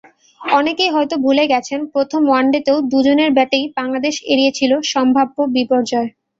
অনেকেই হয়তো ভুলে গেছেন, প্রথম ওয়ানডেতেও দুজনের ব্যাটেই বাংলাদেশ এড়িয়েছিল সম্ভাব্য বিপর্যয়।